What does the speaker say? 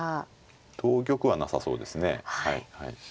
同玉はなさそうですね。